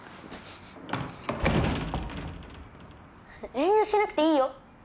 遠慮しなくていいよ。